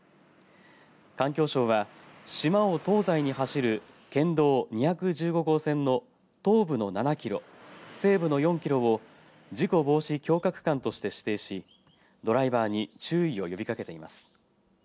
環境省は島を東西に走る県道２１５号線の東部の７キロ西部の４キロを事故防止強化区間として指定しドライバーに注意を呼びかけています。